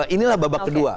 inilah babak kedua